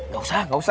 gak usah gak usah